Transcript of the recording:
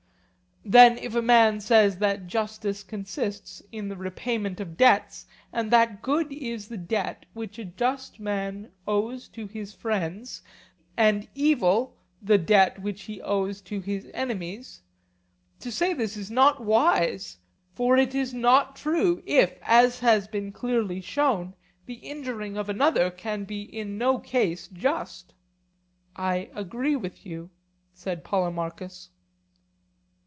Then if a man says that justice consists in the repayment of debts, and that good is the debt which a just man owes to his friends, and evil the debt which he owes to his enemies,—to say this is not wise; for it is not true, if, as has been clearly shown, the injuring of another can be in no case just. I agree with you, said Polemarchus.